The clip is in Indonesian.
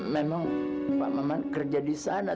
memang pak maman kerja di sana